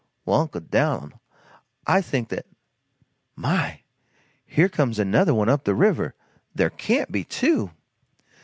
"Well, Uncle Dan'l, I think that My! here comes another one up the river! There can't be two!"